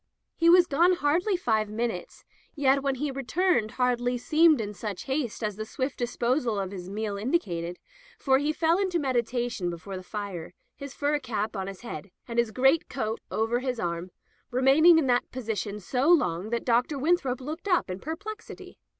He was gone hardly five minutes, yet when he returned hardly seemed in such haste as the swift disposal of his meal indicated, for he fell into meditation before the fire, his fur cap on his head, and his great coat over his arm, remaining in that position so long that Dr. Winthrop looked up in perplexity.